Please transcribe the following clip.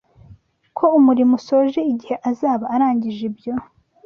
ko umurimo usoje igihe azaba arangije ibyo